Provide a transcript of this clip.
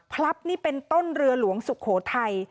พลับนี่เป็นต้นเรือหลวงสุโขทัย